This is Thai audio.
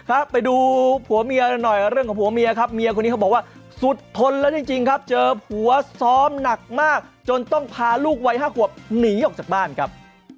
ครับไปดูผัวเมียหน่อยเรื่องของผัวเมียครับเมียคนนี้เขาบอกว่าสุดทนแล้วจริงจริงครับเจอผัวซ้อมหนักมากจนต้องพาลูกวัยห้าขวบหนีออกจากบ้านครับ